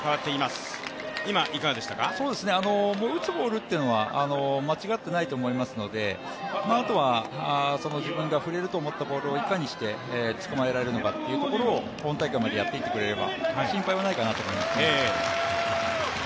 打つボールは間違っていないと思うので、あとは自分が振れると思ったボールをいかにして打ち込めるのかというところを本大会までにやっていってくれれば心配はないと思いますね。